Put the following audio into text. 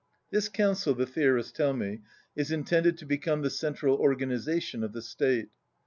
This Council, the theorists tell me, is intended to become the central organization of the state.